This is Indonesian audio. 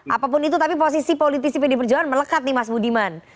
apapun itu tapi posisi politisi pd perjuangan melekat nih mas budiman